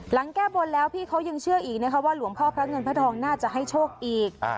แก้บนแล้วพี่เขายังเชื่ออีกนะคะว่าหลวงพ่อพระเงินพระทองน่าจะให้โชคอีก